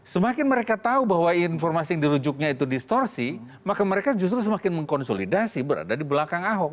semakin mereka tahu bahwa informasi yang dirujuknya itu distorsi maka mereka justru semakin mengkonsolidasi berada di belakang ahok